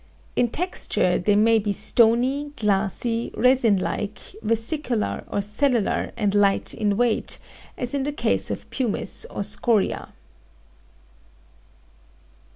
In texture they may be stony, glassy, resin like, vesicular or cellular and light in weight, as in the case of pumice or scoria.